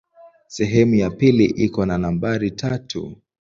Sehemu ya pili iko na nambari tatu.